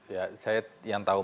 ya saya yang tahu